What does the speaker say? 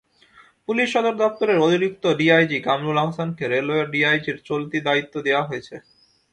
Police সদর দপ্তরের অতিরিক্ত ডিআইজি কামরুল আহসানকে রেলওয়ের ডিআইজির চলতি দায়িত্বদেওয়া হয়েছে।